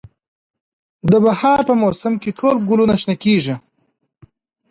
د بهار په موسم کې ټول ګلونه شنه کیږي